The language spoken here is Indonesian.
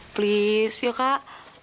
please ya kak